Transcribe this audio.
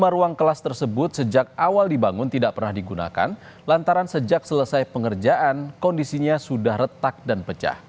lima ruang kelas tersebut sejak awal dibangun tidak pernah digunakan lantaran sejak selesai pengerjaan kondisinya sudah retak dan pecah